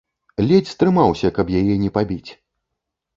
Ледзь стрымаўся, каб яе не пабіць.